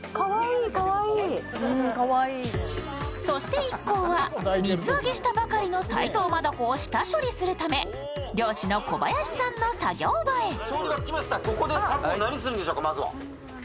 そして一行は、水揚げしたばかりの太東マダコを下処理するため漁師の小林さんの作業場へ。